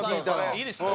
いいですか？